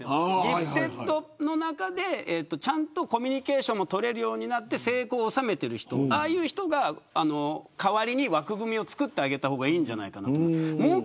ギフテッドの中で、ちゃんとコミュニケーションも取れるようになって成功を収めているような人が代わりに枠組みを作ってあげた方がいいんじゃないかと思う。